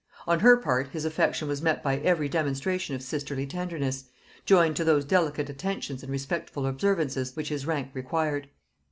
On her part his affection was met by every demonstration of sisterly tenderness, joined to those delicate attentions and respectful observances which his rank required.